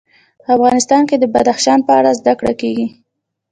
افغانستان کې د بدخشان په اړه زده کړه کېږي.